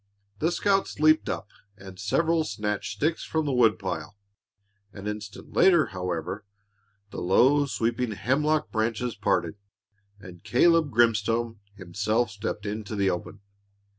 The scouts leaped up and several snatched sticks from the woodpile. An instant later, however, the low, sweeping hemlock branches parted, and Caleb Grimstone himself stepped into the open.